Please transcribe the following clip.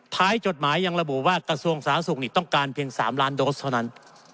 จดหมายยังระบุว่ากระทรวงสาธารณสุขนี่ต้องการเพียง๓ล้านโดสเท่านั้น